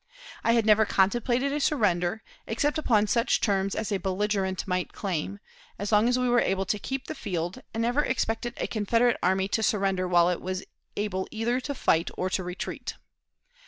I had never contemplated a surrender, except upon such terms as a belligerent might claim, as long as we were able to keep the field, and never expected a Confederate army to surrender while it was able either to fight or to retreat.